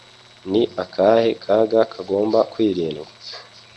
ni akahe kaga kagomba kwirindwa